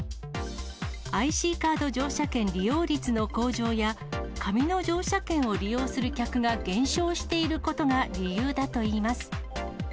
ＩＣカード乗車券利用率の向上や、紙の乗車券を利用する客が減少していることが理由だといいます。